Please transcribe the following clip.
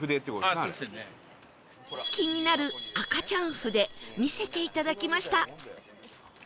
気になる赤ちゃん筆見せていただきました